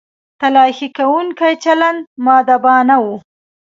تلاښي کوونکو چلند مؤدبانه و.